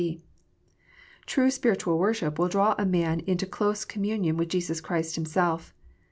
(b) True spiritual worship will draw a man into close com munion with Jesus Christ Himself.